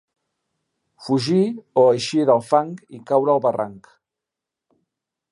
Fugir o eixir del fang i caure al barranc.